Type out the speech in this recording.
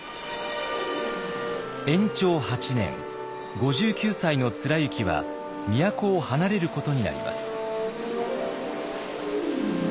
延長八年５９歳の貫之は都を離れることになります。